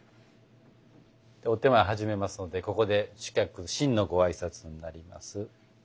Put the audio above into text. ではお点前始めますのでここで主客「真」のご挨拶になります。